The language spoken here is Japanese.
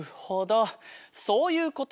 そういうことなら。